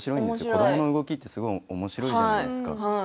子どもの動きってすごいおもしろいじゃないですか。